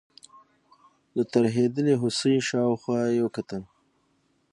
لکه ترهېدلې هوسۍ شاوخوا یې وکتل.